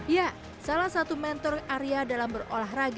ya salah satu mentor area dalam berolahraga